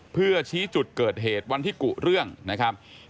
เพื่อชี้จุดเกิดเหตุวันที่กุเรื่องนะครับ